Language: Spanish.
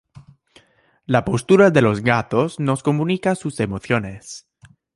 La postura de los gatos nos comunica sus emociones.